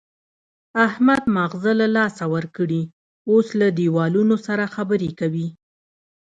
احمد ماغزه له لاسه ورکړي، اوس له دېوالونو سره خبرې کوي.